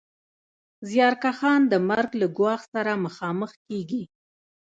زیارکښان د مرګ له ګواښ سره مخامخ کېږي